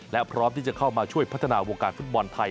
และพร้อมที่จะเข้ามาช่วยพัฒนาวงการฟุตบอลไทย